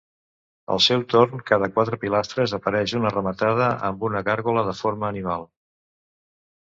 Al seu torn, cada quatre pilastres, apareix una rematada amb una gàrgola de forma animal.